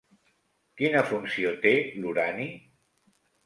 Quina funció té l'urani?